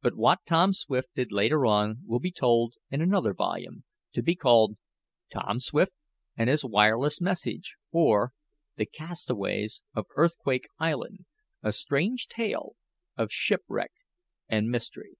But what Tom Swift did later on will be told in another volume, to be called, "Tom Swift and His Wireless Message; or, The Castaways of Earthquake Island" a strange tale of ship wreck and mystery.